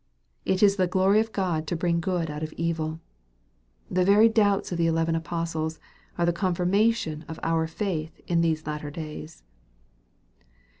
It is the glory of God to bring good out of evil. The very doubts of the eleven apostles are the confirmation of our faith in these latter days.